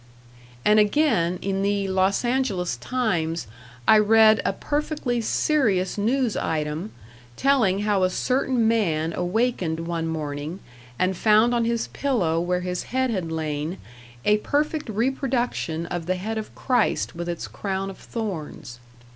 And again in the Los Angeles "Times" I read a perfectly serious news item, telling how a certain man awakened one morning, and found on his pillow where his head had lain a perfect reproduction of the head of Christ with its crown of thorns.